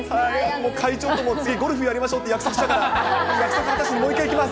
もう会長とも次ゴルフやりましょうって約束したから、約束果たしにもう１回行きます。